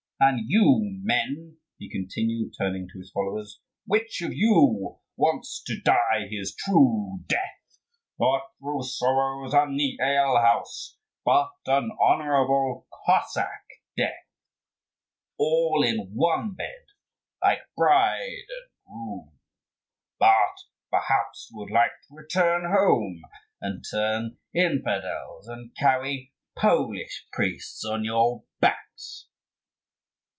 And you, men," he continued, turning to his followers, "which of you wants to die his true death? not through sorrows and the ale house; but an honourable Cossack death, all in one bed, like bride and groom? But, perhaps, you would like to return home, and turn infidels, and carry Polish priests on your backs?"